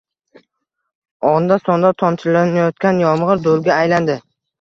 Onda-sonda tomchilayotgan yomg‘ir do‘lga aylandi.